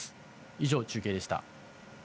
以上、中継でした。